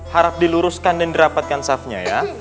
harap diluruskan dan dirapatkan safnya ya